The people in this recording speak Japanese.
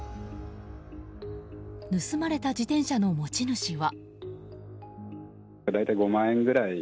盗まれた自転車の持ち主は。